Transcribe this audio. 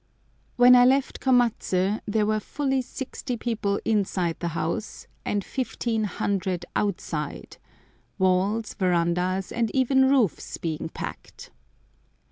When I left Komatsu there were fully sixty people inside the house and 1500 outside—walls, verandahs, and even roofs being packed.